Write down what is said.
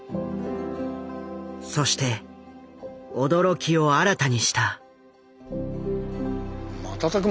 そして驚きを新たにした。